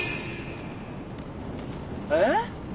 えっ？